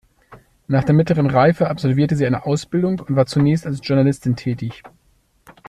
Nach der Mittleren Reife absolvierte sie eine Ausbildung und war zunächst als Journalistin tätig.